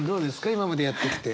今までやってきて。